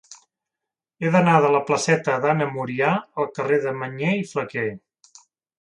He d'anar de la placeta d'Anna Murià al carrer de Mañé i Flaquer.